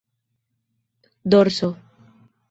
dorso